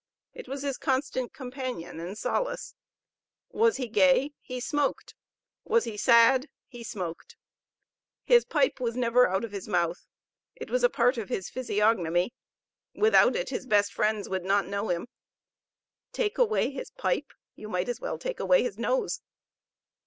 It was his constant companion and solace was he gay, he smoked: was he sad, he smoked; his pipe was never out of his mouth; it was a part of his physiognomy; without it, his best friends would not know him. Take away his pipe? You might as well take away his nose!